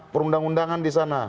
perundang undangan di sana